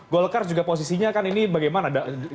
golkar juga posisinya kan ini bagaimana